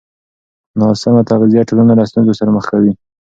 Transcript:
ناسمه تغذیه ټولنه له ستونزو سره مخ کوي.